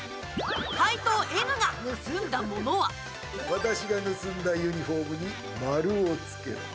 私が盗んだユニフォームに丸をつけろ。